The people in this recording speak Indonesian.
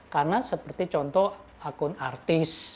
karena seperti contoh akun artis